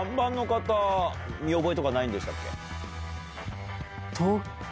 見覚えとかないんでしたっけ？